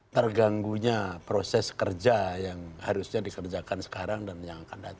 terganggunya proses kerja yang harusnya dikerjakan sekarang dan yang akan datang